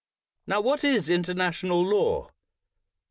Now, what is international law?